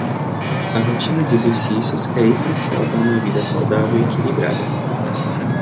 A rotina de exercícios é essencial para uma vida saudável e equilibrada.